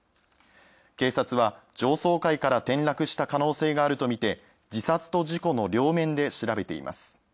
警察は、上層階から転落した可能性があるとみて自殺と事故の両面で調べています。